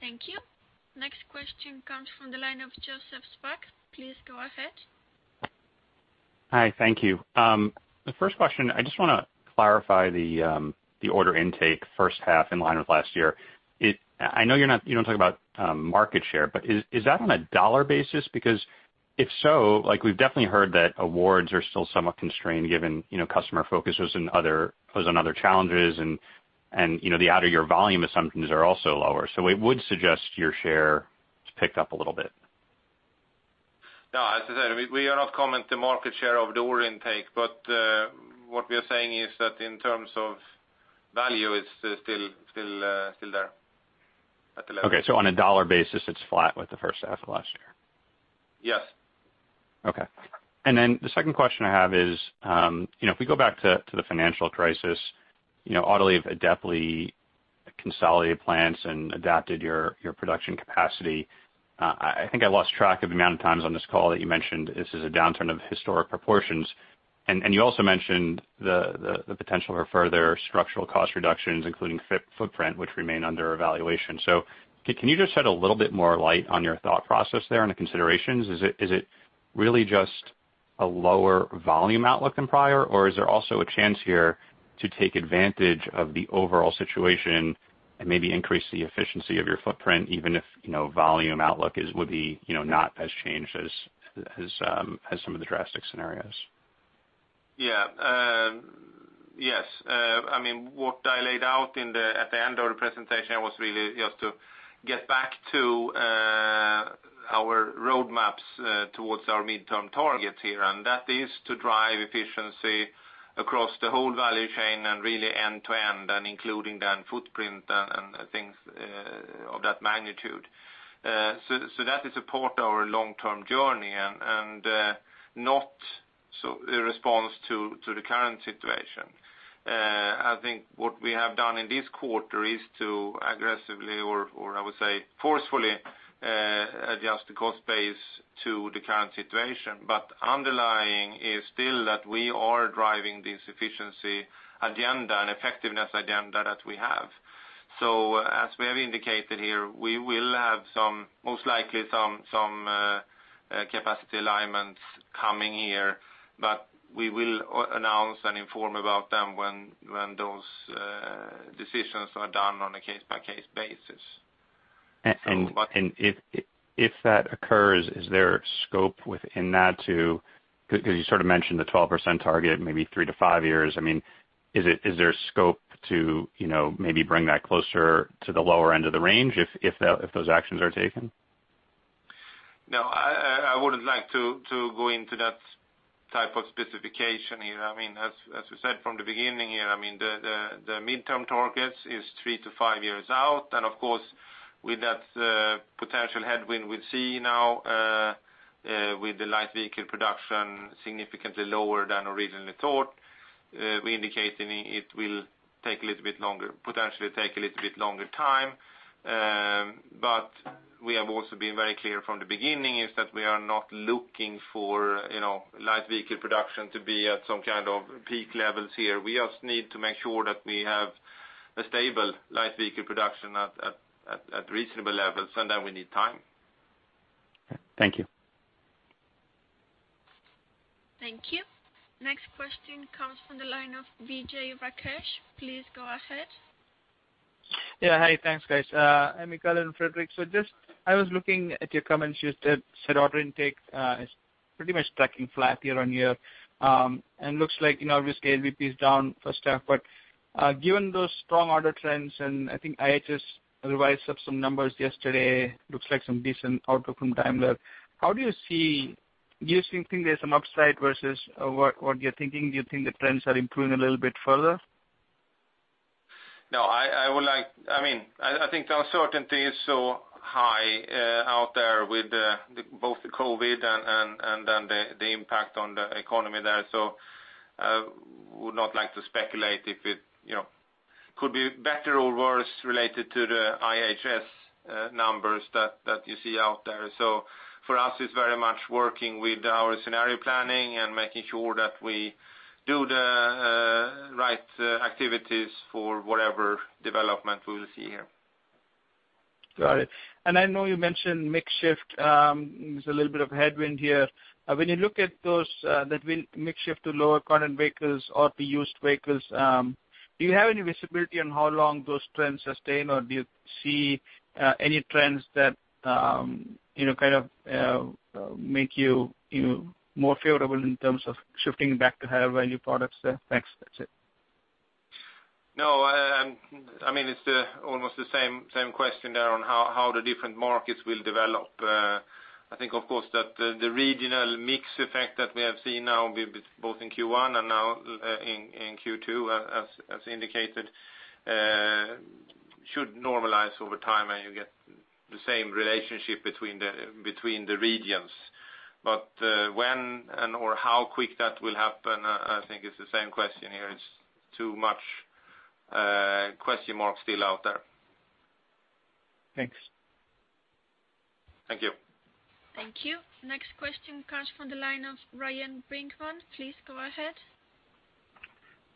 Thank you. Next question comes from the line of Joseph Spak. Please go ahead. Hi. Thank you. The first question, I just want to clarify the order intake first half in line with last year. I know you don't talk about market share, is that on a dollar basis? If so, we've definitely heard that awards are still somewhat constrained given customer focus was on other challenges and the out-year volume assumptions are also lower. It would suggest your share has picked up a little bit. No, as I said, we are not comment the market share of the order intake, but, what we are saying is that in terms of value, it's still there at the level. Okay. On a dollar basis, it's flat with the first half of last year. Yes. Okay. The second question I have is, if we go back to the financial crisis, Autoliv have definitely consolidated plans and adapted your production capacity. I think I lost track of the amount of times on this call that you mentioned this is a downturn of historic proportions. You also mentioned the potential for further structural cost reductions, including footprint, which remain under evaluation. Can you just shed a little bit more light on your thought process there and the considerations? Is it really just a lower volume outlook than prior, or is there also a chance here to take advantage of the overall situation and maybe increase the efficiency of your footprint, even if volume outlook would be not as changed as some of the drastic scenarios? Yes. What I laid out at the end of the presentation was really just to get back to our roadmaps towards our midterm targets here. That is to drive efficiency across the whole value chain and really end to end, including footprint and things of that magnitude. That is a part of our long-term journey and not in response to the current situation. I think what we have done in this quarter is to aggressively, or I would say forcefully, adjust the cost base to the current situation. Underlying is still that we are driving this efficiency agenda and effectiveness agenda that we have. As we have indicated here, we will have most likely some capacity alignments coming here, but we will announce and inform about them when those decisions are done on a case-by-case basis. If that occurs, is there scope within that to, because you sort of mentioned the 12% target, maybe three to five years, bring that closer to the lower end of the range if those actions are taken? No, I wouldn't like to go into that type of specification here. As we said from the beginning here, the midterm targets is 3-5 years out, and of course, with that potential headwind we see now, with the light vehicle production significantly lower than originally thought, we indicate it will potentially take a little bit longer time. We have also been very clear from the beginning, is that we are not looking for light vehicle production to be at some kind of peak levels here. We just need to make sure that we have a stable light vehicle production at reasonable levels, and then we need time. Thank you. Thank you. Next question comes from the line of Vijay Rakesh. Please go ahead. Yeah. Hi. Thanks, guys. Hi, Mikael and Fredrik. Just, I was looking at your comments. You said order intake is pretty much tracking flat year-on-year. Looks like, obviously, LVP is down first half. Given those strong order trends, and I think IHS revised up some numbers yesterday, looks like some decent outlook from Daimler. Do you think there's some upside versus what you're thinking? Do you think the trends are improving a little bit further? No. I think the uncertainty is so high out there with both the COVID and then the impact on the economy there. I would not like to speculate if it could be better or worse related to the IHS numbers that you see out there. For us, it's very much working with our scenario planning and making sure that we do the right activities for whatever development we will see here. Got it. I know you mentioned mix shift is a little bit of a headwind here. When you look at those that will mix shift to lower current vehicles or to used vehicles, do you have any visibility on how long those trends sustain, or do you see any trends that kind of make you more favorable in terms of shifting back to higher value products there? Thanks. That's it. No, it's almost the same question there on how the different markets will develop. I think, of course, that the regional mix effect that we have seen now, both in Q1 and now in Q2, as indicated, should normalize over time, and you get the same relationship between the regions. When and/or how quick that will happen, I think it's the same question here. It's too much question marks still out there. Thanks. Thank you. Thank you. Next question comes from the line of Ryan Brinkman. Please go ahead.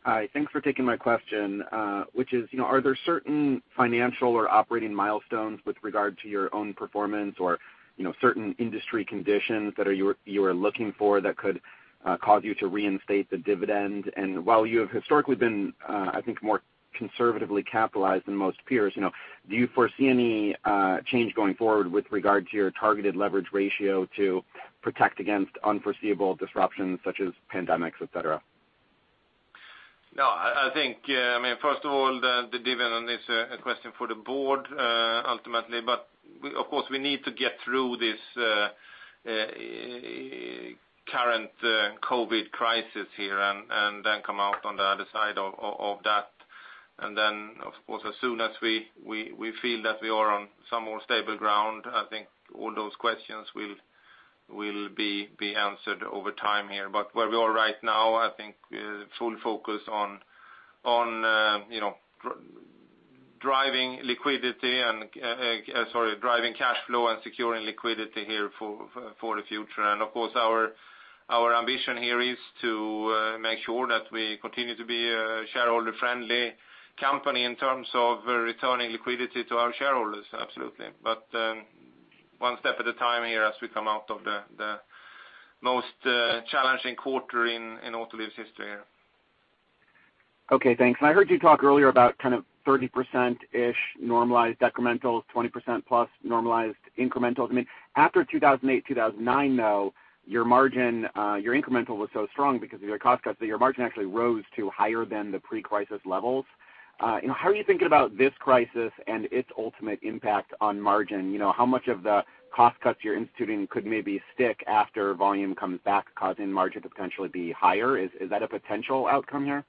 Hi. Thanks for taking my question, which is, are there certain financial or operating milestones with regard to your own performance or certain industry conditions that you are looking for that could cause you to reinstate the dividend? While you have historically been, I think, more conservatively capitalized than most peers, do you foresee any change going forward with regard to your targeted leverage ratio to protect against unforeseeable disruptions such as pandemics, et cetera? First of all, the dividend is a question for the board ultimately. Of course, we need to get through this current COVID crisis here and then come out on the other side of that. Of course, as soon as we feel that we are on some more stable ground, I think all those questions will be answered over time here. Where we are right now, I think full focus on driving cash flow and securing liquidity here for the future. Of course, our ambition here is to make sure that we continue to be a shareholder-friendly company in terms of returning liquidity to our shareholders, absolutely. One step at a time here as we come out of the most challenging quarter in Autoliv's history. Okay, thanks. I heard you talk earlier about 30%-ish normalized decrementals, 20%-plus normalized incrementals. After 2008, 2009, though, your incremental was so strong because of your cost cuts that your margin actually rose to higher than the pre-crisis levels. How are you thinking about this crisis and its ultimate impact on margin? How much of the cost cuts you're instituting could maybe stick after volume comes back, causing margin to potentially be higher? Is that a potential outcome here?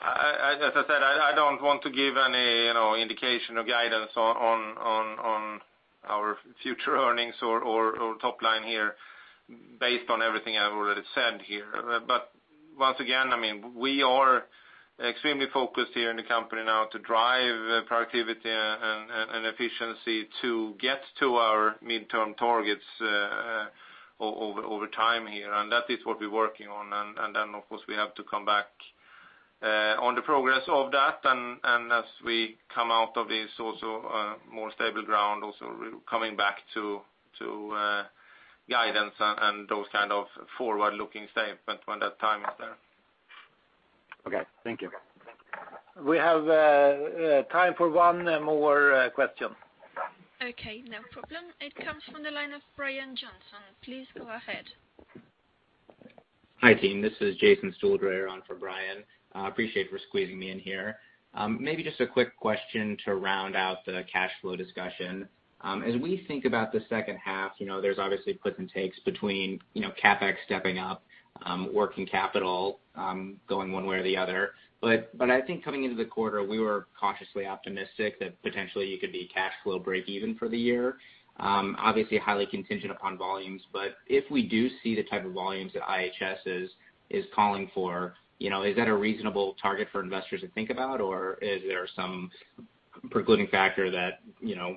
As I said, I don't want to give any indication or guidance on our future earnings or top line here based on everything I've already said here. Once again, we are extremely focused here in the company now to drive productivity and efficiency to get to our midterm targets over time here. That is what we're working on. Then, of course, we have to come back on the progress of that. As we come out of this also more stable ground, also coming back to guidance and those kind of forward-looking statements when that time is there. Okay. Thank you. We have time for one more question. Okay, no problem. It comes from the line of Brian Johnson. Please go ahead. Hi, team. This is Jason Stolyarov on for Brian. Appreciate you for squeezing me in here. Maybe just a quick question to round out the cash flow discussion. As we think about the second half, there's obviously puts and takes between CapEx stepping up, working capital going one way or the other. I think coming into the quarter, we were cautiously optimistic that potentially you could be cash flow breakeven for the year. Obviously, highly contingent upon volumes. If we do see the type of volumes that IHS is calling for, is that a reasonable target for investors to think about? Is there some precluding factor that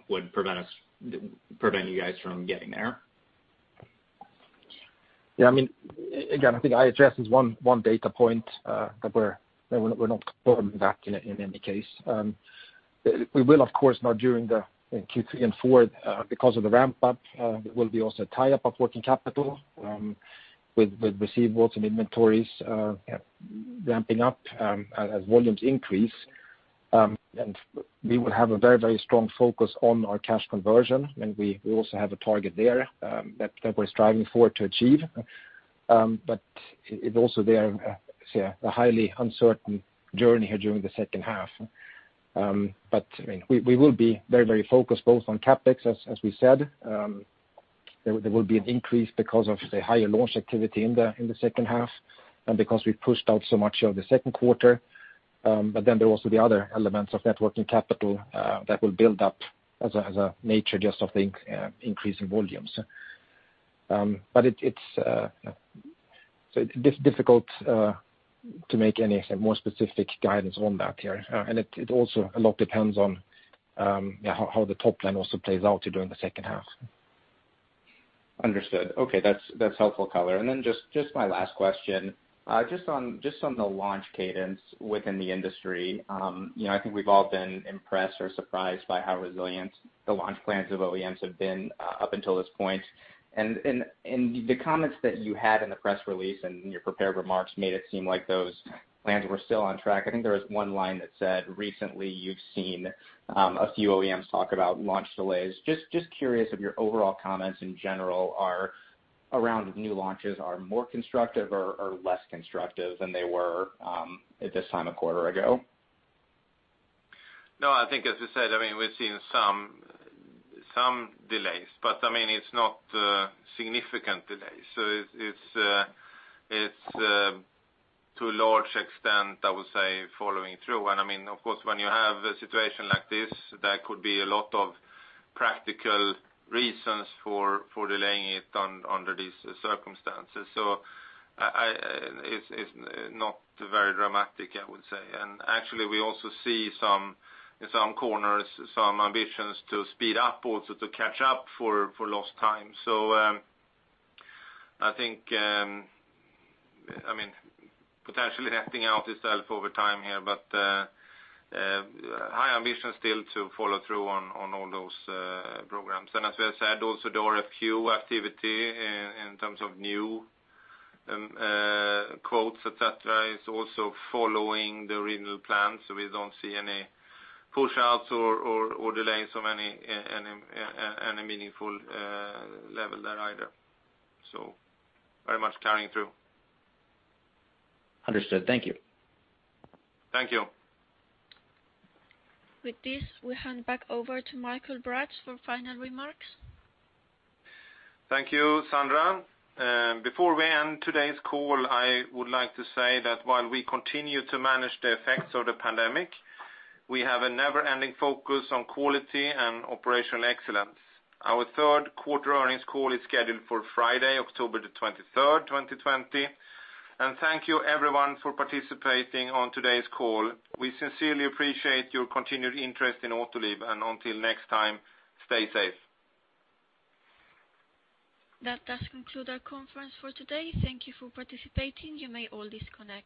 would prevent you guys from getting there? Again, I think IHS is one data point that we're not confirming back in any case. We will, of course, now during the Q3 and forward because of the ramp-up, there will be also tie-up of working capital with receivables and inventories ramping up as volumes increase. We will have a very strong focus on our cash conversion. We also have a target there that we're striving for to achieve. It also there, a highly uncertain journey here during the second half. We will be very focused both on CapEx, as we said. There will be an increase because of the higher launch activity in the second half and because we pushed out so much of the second quarter. There are also the other elements of net working capital that will build up as a nature just of the increasing volumes. It's difficult to make any more specific guidance on that here. It also a lot depends on how the top line also plays out during the second half. Understood. Okay. That's helpful color. Just my last question. Just on the launch cadence within the industry. I think we've all been impressed or surprised by how resilient the launch plans of OEMs have been up until this point. The comments that you had in the press release and your prepared remarks made it seem like those plans were still on track. I think there was one line that said recently you've seen a few OEMs talk about launch delays. Just curious if your overall comments in general around new launches are more constructive or less constructive than they were at this time a quarter ago. I think as you said, we've seen some delays, but it's not significant delays. It's to a large extent, I would say, following through. Of course, when you have a situation like this, there could be a lot of practical reasons for delaying it under these circumstances. It's not very dramatic, I would say. Actually, we also see in some corners, some ambitions to speed up also to catch up for lost time. I think potentially netting out itself over time here, but high ambition still to follow through on all those programs. As we have said also, the RFQ activity in terms of new quotes, et cetera, is also following the renewal plans. We don't see any push outs or delays on any meaningful level there either. Very much carrying through. Understood. Thank you. Thank you. With this, we hand back over to Mikael Bratt for final remarks. Thank you, Sandra. Before we end today's call, I would like to say that while we continue to manage the effects of the pandemic, we have a never-ending focus on quality and operational excellence. Our third quarter earnings call is scheduled for Friday, October 23rd, 2020. Thank you, everyone, for participating on today's call. We sincerely appreciate your continued interest in Autoliv, and until next time, stay safe. That does conclude our conference for today. Thank Thank you for participating. You may all disconnect.